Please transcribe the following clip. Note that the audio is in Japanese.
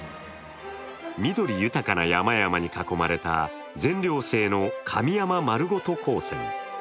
緑豊かな山々に囲まれた全寮制の神山まるごと高専。